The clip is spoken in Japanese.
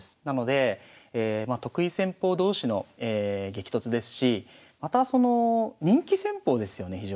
なので得意戦法同士の激突ですしまたその人気戦法ですよね